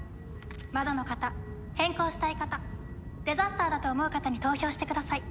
まだの方変更したい方デザスターだと思う方に投票してください。